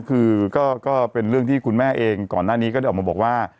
คือก็เป็นเรื่องที่คุณแม่เองก่อนหน้านี้ก็ได้ออกมาบอกว่า